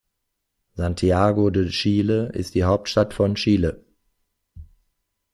Santiago de Chile ist die Hauptstadt von Chile.